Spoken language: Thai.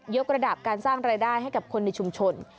กระดับการสร้างรายได้ให้กับคนในชุมชน